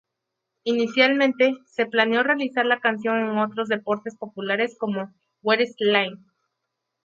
Inicialmente, se planeó realizar la canción en otros deportes populares, como Wrestling.